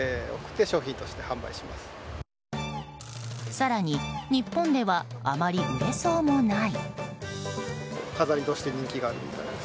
更に、日本ではあまり売れそうもない。